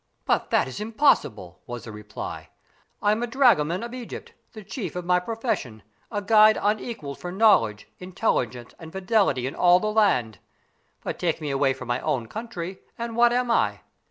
"But that is impossible!" was the reply. "I am a dragoman of Egypt, the chief of my profession, a guide unequaled for knowledge, intelligence and fidelity in all the land! But take me away from my own country, and what am I?